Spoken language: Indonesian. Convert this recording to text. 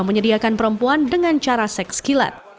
menyediakan perempuan dengan cara seks kilat